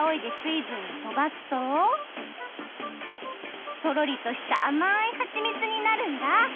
いぶんをとばすととろりとしたあまいはちみつになるんだ。